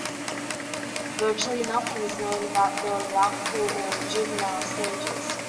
Virtually nothing is known about the larval or juvenile stages.